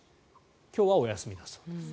今日はお休みだそうです。